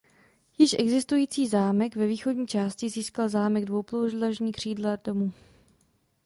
Již existující zámek ve východní části získal zámek dvoupodlažní křídla domu.